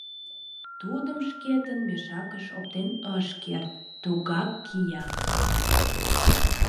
Тудым шкетын мешакыш оптен ыш керт, тугак кия.